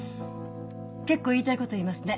結構言いたいこと言いますね。